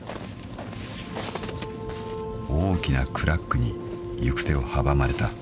［大きなクラックに行く手を阻まれた］